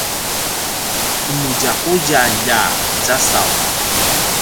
qemudjaqudjalj a i casaw